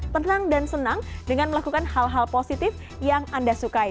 tenang dan senang dengan melakukan hal hal positif yang anda sukai